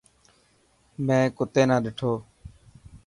مين ڪتي نا ڏنو.